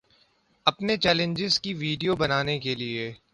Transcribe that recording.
اپنے چینلز کی ویڈیو بنانے کے لیے